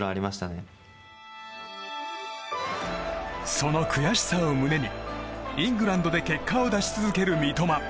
その悔しさを胸にイングランドで結果を出し続ける三笘。